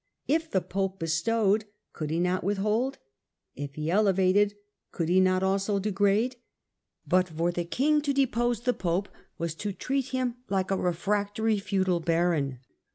If the pope bestowed, could he not withhold ? if he elevated, could he not also degrade ? But for the king to depose the pope was to treat him ' like a refractory feudal baron.